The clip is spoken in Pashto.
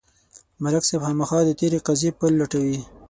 ملک صاحب خامخا د تېرې قضیې پل لټوي.